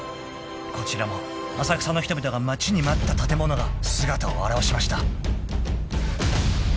［こちらも浅草の人々が待ちに待った建物が姿を現しました］